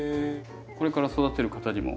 これから育てる方にも。